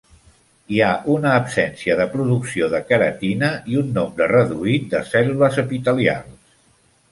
Hi ha una absència de producció de keratina i un nombre reduït de cèl·lules epitelials.